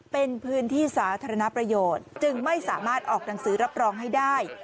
เป็นพื้นที่สาธารณประโยชน์จึงไม่สามารถออกหนังสือรับรองให้ได้